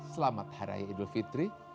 selamat hari idul fitri